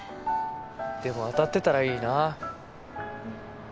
でも当たってたらいいな。